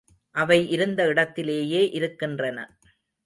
அவை இருந்த இடத்திலேயே இருக்கின்றன.